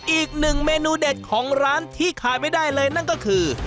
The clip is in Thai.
อีกหนึ่งเมนูเด็ดของร้านที่ขายไม่ได้เลยนั่นก็คือ